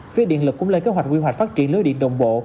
phía điện lực cũng lên kế hoạch quy hoạch phát triển lưới điện đồng bộ